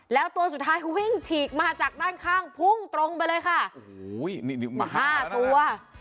แล้วตัวสุดท้ายวิ่งฉีกมาจากด้านข้างพุ่งตรงไปเลยค่ะโอ้โหนี่มาห้าตัว